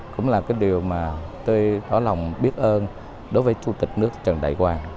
cũng là cái điều mà tôi có lòng biết ơn đối với chủ tịch nước trần đại quang